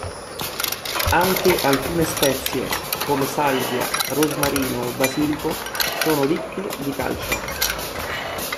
Anche alcune spezie, come salvia, rosmarino o basilico, sono ricche di calcio.